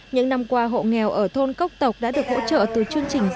những năm qua hộ nghèo ở thôn cốc tộc đã được hỗ trợ từ chương trình giáo dục